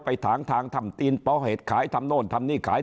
ไปถางทำตีนเปาเหตุขายทำโน่นทำหนี้ขาย